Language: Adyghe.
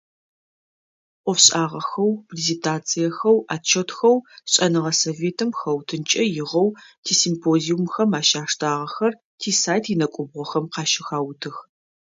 Ӏофшӏагъэхэу, презентациехэу, отчётхэу шӏэныгъэ советым хэутынкӏэ игъоу тисимпозиумхэм ащаштагъэхэр, тисайт инэкӏубгъохэм къащыхаутых.